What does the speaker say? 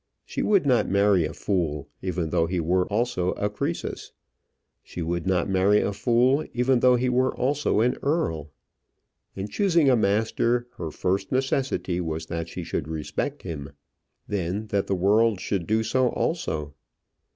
She would not marry a fool, even though he were also a Croesus; she would not marry a fool, even though he were also an earl. In choosing a master, her first necessity was that she should respect him, then that the world should do so also.